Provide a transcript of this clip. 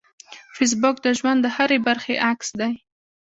فېسبوک د ژوند د هرې برخې عکس دی